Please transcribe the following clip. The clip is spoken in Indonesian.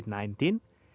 dan juga penyandang diabetes